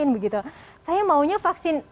begitu saya maunya vaksin